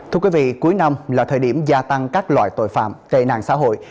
thưa quý vị cuối năm là thời điểm gia tăng các loại tội phạm tệ nạn xã hội